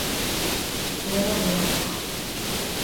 Pedra de Auga.